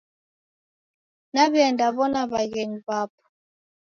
Naw'iaendaw'ona w'aghenyu w'apo.